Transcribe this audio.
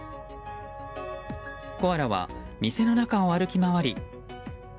コアラは店の中を歩き回り。